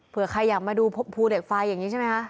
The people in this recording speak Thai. เพื่อใครอยากมาดูภูเหล็กไฟอย่างนี้ใช่ไหมคะ